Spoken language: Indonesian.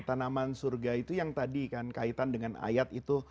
tanaman surga itu yang tadi kan kaitan dengan ayat itu